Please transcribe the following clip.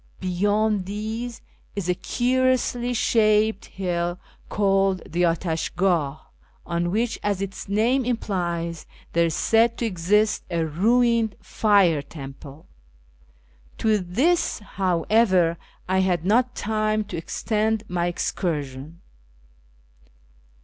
Beyond these is a curiously shaped hill called the Atash gdh, on which, as its name implies, there is said to exist a ruined Fire temple. To this, however, I had not time to extend my excursion.